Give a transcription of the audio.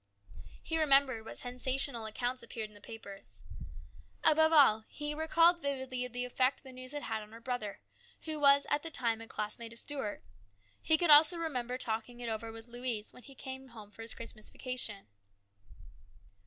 He remembered what sensational accounts appeared in the papers. Above all, he recalled vividly the effect the news had on her brother, who at the time was a classmate of Stuart. He could also remember talking it over with Louise when he came home for his Christmas vacation.